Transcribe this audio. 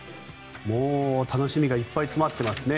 もう楽しみがいっぱい詰まってますね。